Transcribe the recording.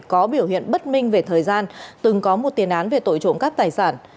có biểu hiện bất minh về thời gian từng có một tiền án về tội trộm cắp tài sản